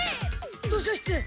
図書室！